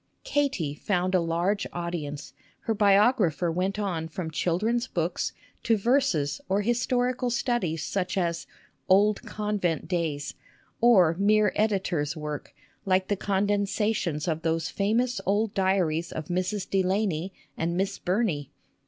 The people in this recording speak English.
Katy found a large audience, her biographer went on from children's books to verses or historical studies, such as " Old Convent Days," or mere editor's work, like the condensations of those famous old diaries of Mrs. Delany and Miss Burney.